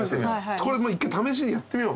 これ試しにやってみよう。